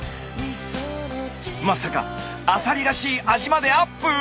まさかアサリらしい味までアップ！